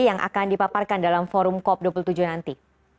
yang akan dipaparkan dalam forum cop dua puluh tujuh nanti